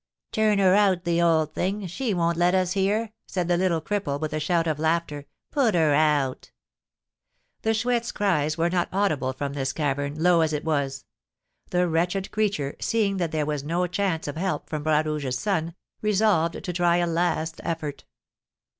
"Turn her out, the old thing! She won't let us hear," said the little cripple, with a shout of laughter; "put her out!" The Chouette's cries were not audible from this cavern, low as it was. The wretched creature, seeing that there was no chance of help from Bras Rouge's son, resolved to try a last effort.